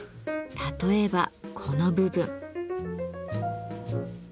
例えばこの部分。